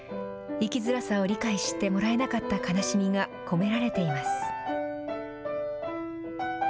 生きづらさを理解してもらえなかった悲しみが込められています。